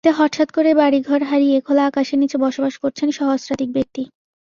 এতে হঠাৎ করেই বাড়িঘর হারিয়ে খোলা আকাশের নিচে বসবাস করছেন সহস্রাধিক ব্যক্তি।